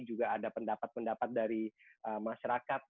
juga ada pendapat pendapat dari masyarakat